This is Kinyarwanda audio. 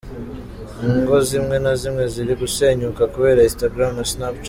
Ingo zimwe na zimwe ziri gusenyuka kubera Instagram na Snapchat.